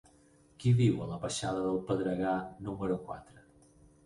Qui viu a la baixada del Pedregar número quatre?